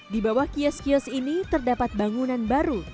di bawah kios kios ini terdapat bangunan baru